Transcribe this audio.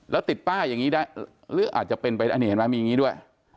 แล้วติดป้ายอย่างนี้ได้หรืออาจจะเป็นไปอันนี้เห็นไหมมีอย่างนี้ด้วย